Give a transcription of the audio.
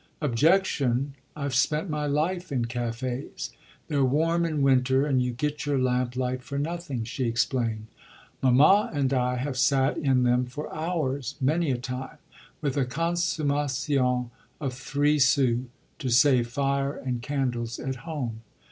"Objection? I've spent my life in cafés! They're warm in winter and you get your lamplight for nothing," she explained. "Mamma and I have sat in them for hours, many a time, with a consommation of three sous, to save fire and candles at home.